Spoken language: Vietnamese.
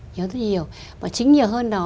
nhiều hơn rất nhiều và chính nhiều hơn đó